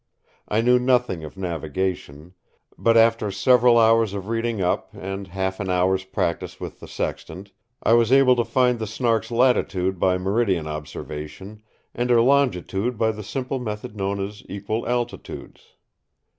I knew nothing of navigation; but, after several hours of reading up and half an hour's practice with the sextant, I was able to find the Snark's latitude by meridian observation and her longitude by the simple method known as "equal altitudes."